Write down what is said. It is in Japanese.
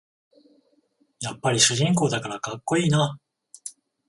やっぱり主人公だからかっこいいな